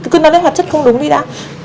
cứ nói về hóa chất không đúng đi đã